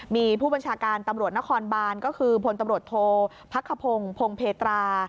มีผู้บัญชาการตำรวจนครบานก็คือพลตำรวจโทษพักขพงศ์พงเพตรา